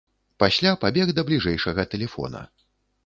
Пасля пабег да бліжэйшага тэлефона.